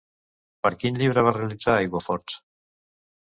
Per quin llibre va realitzar aiguaforts?